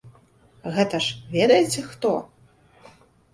Гэта ж ведаеце, хто?